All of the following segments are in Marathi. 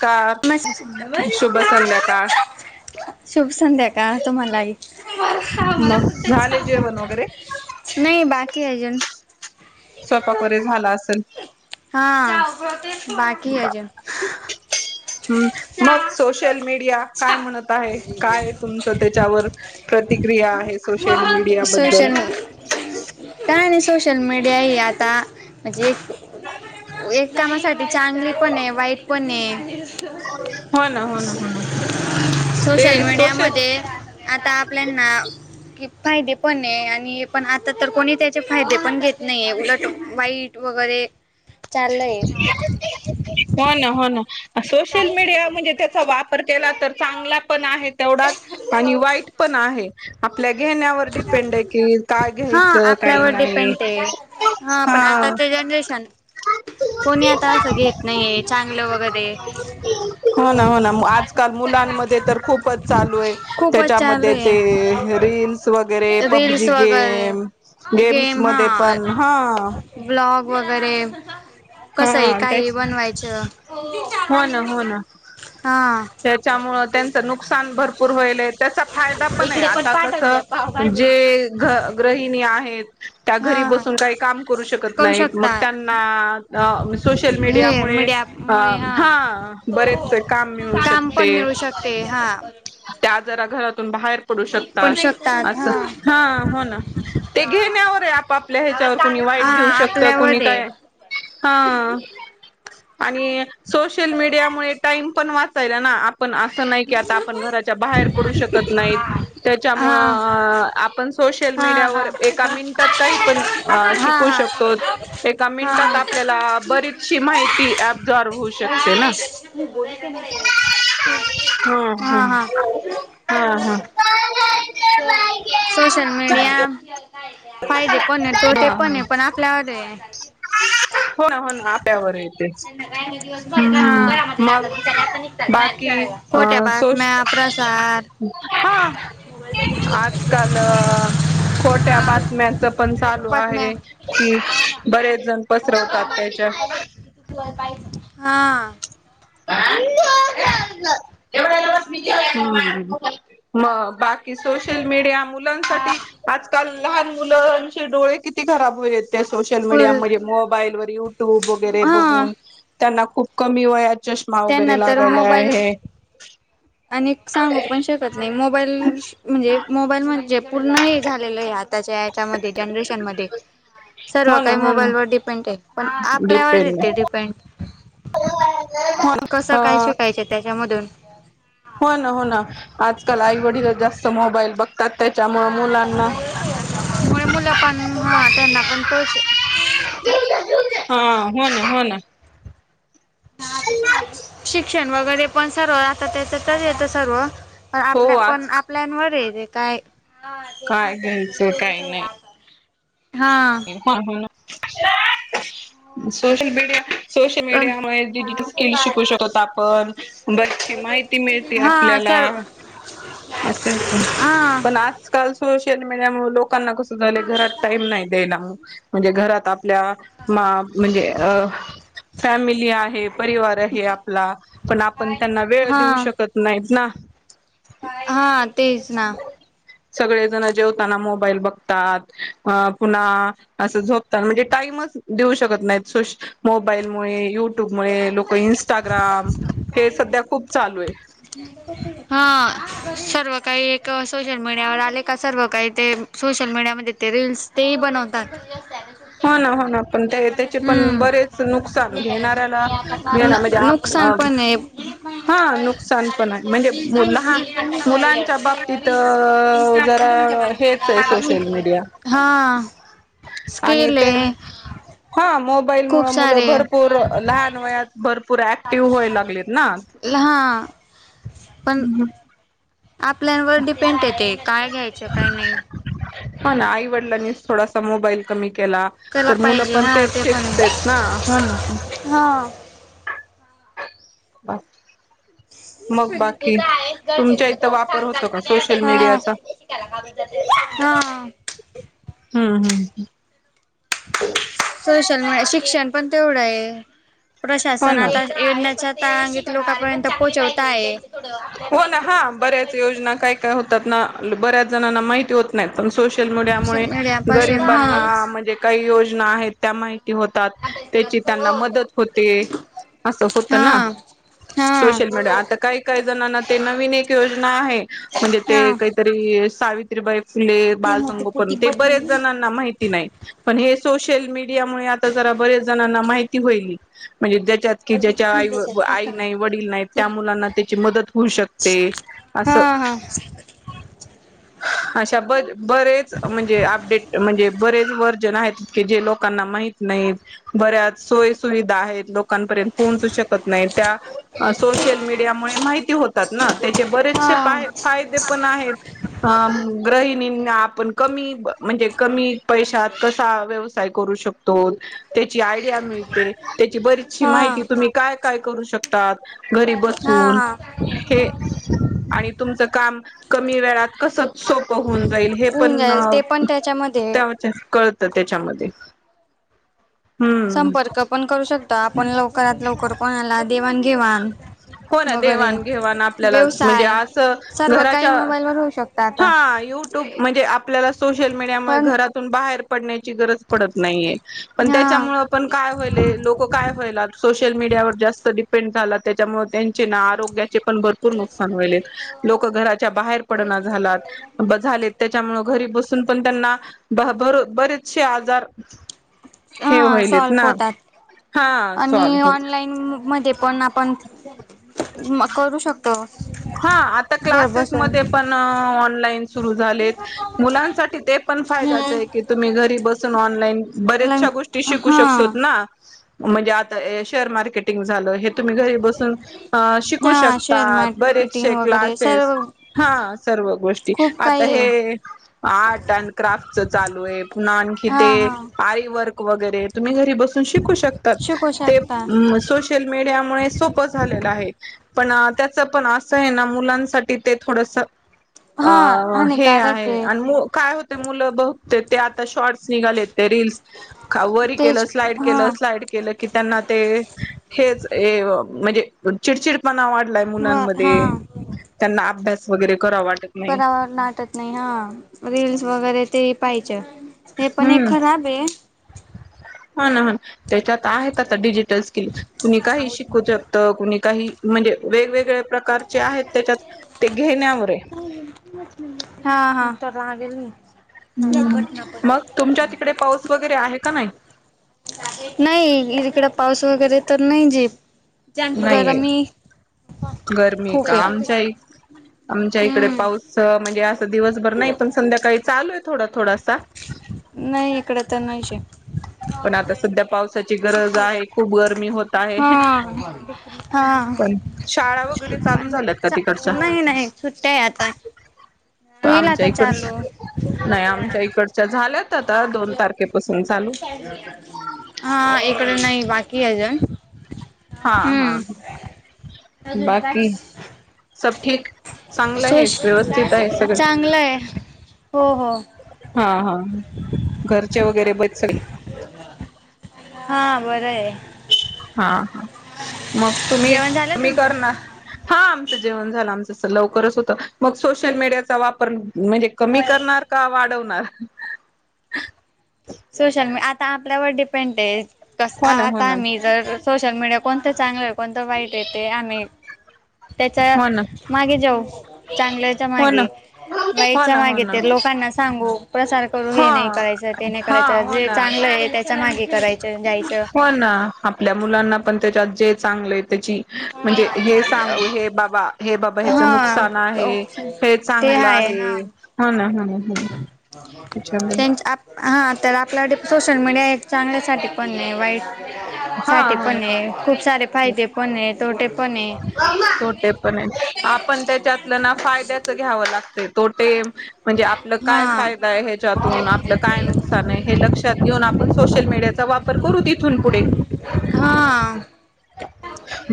कार मस्त शुभ संध्याकाळ शुभ संध्या का तुम्हाला ही आम्हला मग फक्त झाले जेवण मछ वगैरे नाही बाकी ये अजुन. स्वयपाक वैरे झाला असेल? हा बाकी अजुन [inaudible] हम मग सोशल मीडिया काय म्हणत आहे? काय तुमच त्याच्यावर प्रतिक्रिया आहे सोशल मीडिया बद्दल? कायी नयी सोशल मीडिया ही आता म्हणजे एक कामासाठी चांगली पण ये वाईट पण ये. हो ना हो ना हो ना सोशल मीडिया मदे आता आपल्याना कि फायदे पण ये आणि पण आता तर कोणी त्याचे फायदे पण घेत नायीये उलट वाईट वगरे चाललय हो ना हो ना, सोशल मीडिया म्हणजे त्याचा वापर केला तर चांगला पण आहे तेवढाच आणि वाईट पण आहे आपल्या घेण्यावर डिपेंड ये की काय हा घ्यायच काय आपल्यावर नायी डिपेंड आहे हा पण आताचे जनरेशन [unintelligible] कोणी आता असं घेत नायीये चांगल वगरे हो ना हो ना, आजकाल मुलांमध्ये तर खूपच चालू ये खूपच चालू त्याच्यामध्ये ते आहे रील्स वगरे रील्स पबजी वगैरे गेम, गेम्स गेम हा मदे पण हा ब्लॉग वगरे कसही हा काही तेच बनवायच त्याच्यामुळ त्यांच नुकसान भरपूर होयले त्याचा फायदा पण ये आता कस जे ग ग्रहिणी आहेत त्या हा घरी हा बसून कायी काम करू शकत नाहीत मग त्यांना अ सोशल हे मीडियामुळे मीडिया अ मुळे हा बरेचसे काम मिळू शकते ते हा त्या आ जरा घरातून बाहेर पडू पण शकतात, शकतात अस हा हा हो ना ते घेण्यावर ये आपल्या ह्याच्यावर कुणी हा वाईट घेऊ शकत आपल्यावर कुणी आहे काय हा आणि सोशल मीडियामुळे टाइम पण वाचायला ना पण असं नाही की आता आपण घराच्या बाहेर पडू शकत नाहीत हा त्याच्यामुळं अ आपण सोशल हा हा मीडियावर एका मिनटात काही पण हा शिकू हा शकतो एका मिनिटात हा का आपल्याला बरीचशी माहिती अब्सॉर्ब होऊ शकते ना. हा हा हा हा सोशल मीडिया फायदे पण आहे हा तोटे हा. पण आहे पण आपल्यावर आहे. हो ना हो ना आपल्यावर येतेच. हम्म. हा. मग बाकी अ खोट्या सोश बातम्या, प्रसार हा, आजकाल अ खोट्या बातम्या च पण चालू बातम्या आहे कि बरेच जण पसरवतात तश्या हा. [unintelligible] हम्म, मग बाकी सोशल मीडिया मुलांसाठी आजकाल लहान मुलंचे डोळे किती खराब होलेत. सोशल मीडिया कुल मधे मोबाईल वर युट्यूब वगैरे हा बघून त्यांना खूप कमी वयात चष्मा त्यांना वगैरे तर लागायला मोबाईल हे आणि एक सांगू पण शकत नाही मोबाईल म्हणजे मोबाईल म्हणजे पूर्ण हे झालेलय आ त्ताच्या याच्यामध्ये जनरेशन मध्ये. सर्व हो ना काही हो ना मोबाईलवर डिपेंड आहे पण आपल्यावर डिपेंड येते डिपेंड हो कसं काय अ शिकायचं त्याच्यामधून. हो ना हो ना आजकाल आईवडीलच जास्त मोबाईल बघ तात त्याच्यामुळं मुलांना मुळे मुलं पण हा त्यांना पण तोच हा, हो ना हो ना. शिक्षण वगैरे पण सर्व आता त्याच्यातच येत सर्व, पण हो आपल्या आज पण आपल्यांनवर रे काय काय घ्यायचं काय हा. हा हा ना, सोशल मीडिया सोशल तर मीडियामुळे डिजिटल स्किल शिकू शकत आपण बरीचशी माहि ती मिळते हा आपल्याला सर्व असं हा पण आ आजकाल सोशल मीडिया मुळ लोकांना कसं झालंय घरात टाईम नाही द्यायला म्हणजे घरात आप ल्या मा म्हणजे फॅमिली आहे परिवार हे आपला पण आपण त्यांना वेळ देऊ हा शकत नाहीत ना. हा तेच ना. सगळेजणं जेवताना मोबाईल बघतात अ पुन्हा असं झोपतानं म्हणजे टाईमच देऊ शकत नाही सोश मोबाईल मुळे, युट्यूबमुळे लोक इंस्टाग्राम हे सध्या खूप चालू आहे. हा सर्व काही एक सोशल मीडियावर आले का सर्व काही ते सोशल मीडियामध्ये ते रील्स तेही बनवतात. हो ना हो ना. पण ते त्याचे पण हम्म बरेच नुकसान घेणाऱ्याला घे ना न- म्हणजे नुकसान पण आहे आप हा नुकसान पण आहे म्हणजे मुलं हा मुलांच्या बाबतीत जरा हेच आहे सोशल मीडिया. हा आणि स्केल ते आहे. हा मोबाईल खूप मुळं मुलं सारे भरपूर लहान वयात भरपूर ऍक्टिव व्हायला लागलेत ना. हा पण आपल्यावर डिपेंड आहे ते, काय घ्यायचं काय नाही. हो ना आईवडिलांनीच थोडासा मोबाईल कमी केला कला तर मुलं पाहिजे पण हा तेच ते पण शिकतेत आहे. ना, हो ना. हा. [unintelligible] मग बाकी तुमच्या इथं वापर होतो का सोशल मीडियाचा हा. हा. हम्म हम् ह. [inaudible] सोशल मुळे शिक्षण पण तेवढं आहे. हो प्रशासन ना आता [unintelligible] [unintelligible] लोकांपर्यंत पोचवता आहे. हो ना हा बऱ्याच योजना काय काय होतात ना बऱ्याच जणांना माहिती होत नाहीत. पण सोशल मीडिया सोशल मुळे मीडिया पासून गरिबांना हा म्हणजे काही योजना आहेत त्या माहित होतात, त्याची त्यांना मदत होते, असं होत ना! हा हा सोशल मीडिया आता काय ते नवीन एक योजना आहे, म्हणजे ते हा काहीतरी सावित्रीबाई फुले बाल संगोपन, ते बरेच जणांना माहित ती नाही. पण हे सोशल मीडिया मुळे आता जरा बरेच जणांना माहिती होईल. म्हणजे ज्याच्यात कि ज्याच्या आई व आई नाही, वडील नाहीत त्या मुलांना ते त्याची मदत होऊ शकते, हा अस हा अशा बर बरेच म्हणजे अपडेट, म्हणजे बरेच वर्जन आहेत की जे लोकांना माहीत नाहीत बऱ्याच सोय सुविधा आहेत लोकांपर्यंत पोहचू शकत नाही, त्या सोशल मीडियामुळे माहिती होतात ना, त्याचे बरेचसे हा फाय फायदे पण आहेत. अ गृहिणींना आपण कमी म्हणजे कमी पैशात कसा व्यवसा साय करू शकतो त्याची आयडिया मिळते, त्याची भरीचशी माहिती हा तुम्ही काय काय करू शकतात घरी हा बसून? हा हे आणि तुमचं काम कमी वेळात कसं सोपं होऊन जाईल हे होऊन पण जाईल ते पण त्याच्यामध्ये त्यावाच्यात कळतं त्याच्यामध्ये. हम्म संपर्क पण करू शकतो आपण लवकरात लवकर कोणाला देवाण, घेवाण. हो ना देवाण, घेवाण आपल्यालाच म्हणजे असं सर्व घराच्या काही मोबाईलवर होऊ शकतं आता हा यू ट्यूब म्हणजे आपल्याला सोशल मीडियामुळे पण घरातून बाहेर पडण्याची गरज पडत नाहीये, पण हा त्याच्यामुळे पण काय होईले, लोक काय होयला, सोशल मीडियावर जास्त डीप पेंड झाला त्याच्यामुळे त्यांची ना आरोग्याचे पण भर पूर नुकसान होईले, लोक घराच्या बाहेर पडना झालात, झाले त्याच्यामुळ घरी बसून पण त्यांना बहा बरो बरेचसे आजार हे हा व्हायलेत सॉल्फ ना होतात, हा सॉल्व आणि होत ऑनलाईन मधे पण आपण करू शकतो. हा आता घर क्लासेस बसून मधे पण ऑनलाईन सुरू झालेत, मुलांसाठी ते पण फायदाच आहे की तुम्ही घरी बसून ऑनलाईन ऑनलाईन बरेचशा गोष्ट ष्टी शिकू हा शकतोत ना. म्हणजे आता ए शेअर मार्केटिंग झालं हे तुम्ही घरी बसून अ शिकू हा शेअर शकतात. मार्केटिंग बरेचशे वगैरे क्लासेस, सर्व हा सर्व गोष्टी खूप आता काही आहे हे आर्ट अँड क्राफ्टच चालू आहे. पुन्हा आणखी हा ते हा आरी वर्क वगैरे, तुम्ही घरी बसून शिकू शकतात शिकू ते शकता ऊ सोश सोशल मीडियामुळे सोपं झालेल आहे. पण त्याच पण असं आहे ना मुलांसाठी ते थोडस अ हा हे हानिकारक आहे. आणि मूळ काय होत मुलं बघ ते आता शॉर्ट्स निघाले ते रीलस वरी केलं तेच स्लाईड केलं हा स्लाइड, केले की त्यांना ते हेच म्हणजे चिडचिडपणा वाढला, व हा मुलांमध्ये त्यांना अभ्यास वगैरे करावा वाट, परावर लाटत नाही हा रीलस वगैरे ते पाहिजे, हे पण एक खराब आहे. हा ना ह त्याच्यात आहेत आता डिजिटल स्किल तुम्ही काही शिकू शकता, तर कुणी काही म्हणजे वेगवेगळे प्रकारचे आहेत त्याच्यात ते घेण्यावर आहे. हा हा तर लागेल ना, हम्म मग तुमच्या तिकडे पाऊस वगैरे आहे का नाही? नाही इकड पाऊस वगैरे तर नाही. जे नाहीये गरमी, गरमी खूप का, आहे आमच्या आमच्या इकडे हम्म पाऊस म्हणजे असं दिवसभर नाही पण, संध्याकाळी चालू आहे थोडा थोडासा, नाही इकडं तर नाही च, पण आता सध्या पावसाची गरज आहे खूप गरमी होत आहे, हा हा पण शाळा वगैरे चालू पण झाल्यात का तिकडच्या, नाही नाही सुट्ट्या आहे आता पण होईल आमच्या आता इकडच चालू नाही आम, आमच्या इकडच्या झाल्यात आता दोन तारखेपासून चालू, हा इकड नाही बाकी आहेजण, हा हा, अजून काय, बाकी सब ठीक चांगलं आहे व्यवस्थित आहे सगळं चांगलं आहे. हो हो, हा हा घरचे वगैरे बरे सगळे, हा बरं आहे, हा हा मग तुम्ही जेवण झालं तुम्ही तुमचं? कर ना, हा आमचं जेवण झालं आमचं अस लवकरच होतं मग सोशल मीडियाचा वापर, म्हणजे कमी करणार का वाढवणार? सोशल मी आता आपल्यावर डिपेंड आहे कस हो आ- ना हो आता ना मी, जर सोशल मीडिया कोणतं चांगलं आहे कोणतं वाईट आहे ते आम्ही, त्याच्या हो ना मागे जाऊ चांगल्याच्या हो ना मागे, हो वाईटच्या ना हो मागेे ना ते लोकांना सांगू प्रसार करू हे हा नाही करायचं ते नाही, हा करायचं हो जे ना चांगलं आहे त्याच्या मागे करायचं जायचं. पण आपल्या मुलांना पण त्याच्यात जे चांगलं आहे त्याची, म्हणजे हे सांगू हे बाबा हे बाबा ह्याच हा नुकसान आहे. हे ते चांगलं आहे हा ह ना होना, होना, त्यां हा तर आपल्या सोशल मीडिया एक चांगल्यासाठीही पण नाही वाईट, साठी हा पण आहे खूप सारे फायदे पण आहे तोटे पण आहे. तोटे पण आहे. आपण त्याच्यातलं ना फायद्याच घ्यावं लागतंय तोटे, म्हणजे आपलं काय हां फायदा आहे ह्याच्यातून आपलं काय नुक नुकसान हे लक्षात घेऊन आपण सोशल मीडियाचा वापर करू तिथून पुढे, हां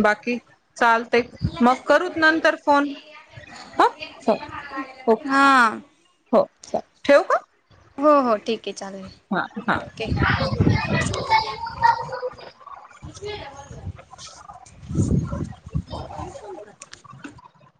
बाकी, चालतंय मग करू नंतर फोन ह हो, ओके, हां हो, चाल ठेवू का? हो हो ठीक चालेल, हा हा ओके. हां [unintelligible] [unintelligible]